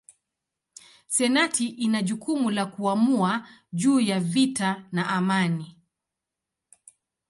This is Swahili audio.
Senati ina jukumu la kuamua juu ya vita na amani.